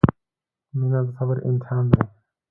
• مینه د صبر امتحان دی.